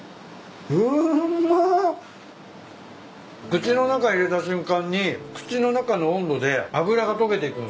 口の中入れた瞬間に口の中の温度で脂が溶けていくんすよ。